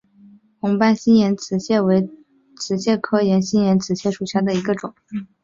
红斑新岩瓷蟹为瓷蟹科新岩瓷蟹属下的一个种。